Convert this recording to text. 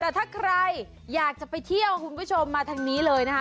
แต่ถ้าใครอยากจะไปเที่ยวคุณผู้ชมมาทางนี้เลยนะคะ